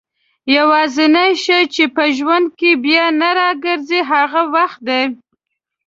يوازينی شی چي په ژوند کي بيا نه راګرځي هغه وخت دئ